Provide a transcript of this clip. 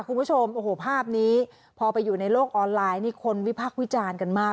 คุณผู้ชมโอ้โหภาพนี้พอไปอยู่ในโลกออนไลน์นี่คนวิพักษ์วิจารณ์กันมาก